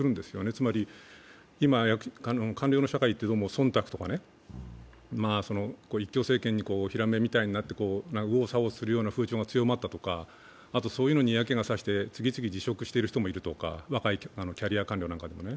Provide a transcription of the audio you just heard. つまり今、官僚の社会って忖度とか一強政権にひらめみたいになって右往左往するような風潮が強まったとか、そういうのに嫌気がさして次々と辞職している人が出ているとか、若いキャリア官僚なんかでも。